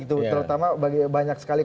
terutama banyak sekali